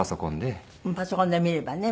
パソコンで見ればね。